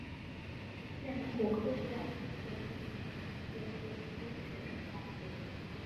内蒙古科技大学是内蒙古自治区直属大学。